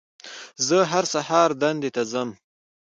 زه هر سهار دندې ته ځم